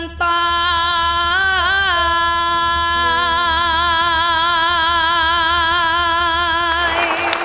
ขอตาย